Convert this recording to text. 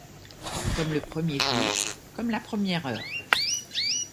Comme le premier jour, comme la première heure